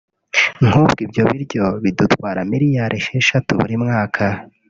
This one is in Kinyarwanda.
nk’ubwo ibyo biryo bidutwara miliyari esheshatu buri mwaka